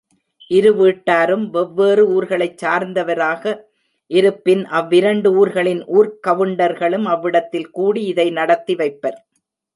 இரு வீட்டாரும் வெவ்வேறு ஊர்களைச் சார்ந்தவராக இருப்பின் அவ்விரண்டு ஊர்களின் ஊர்க் கவுண்டர்களும் அவ்விடத்தில்கூடி இதை நடத்தி வைப்பர்.